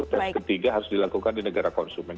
tes ketiga harus dilakukan di negara konsumen